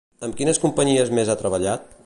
Amb quines companyies més ha treballat?